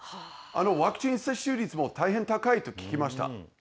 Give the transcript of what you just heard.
ワクチン接種率も大変高いと聞きました。